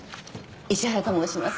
石原と申します。